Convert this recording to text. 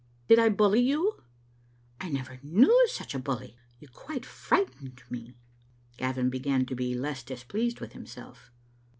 "Did I bully you?" " I never knew such a bully. You quite frightened me. Gavin began to be less displeased with himself.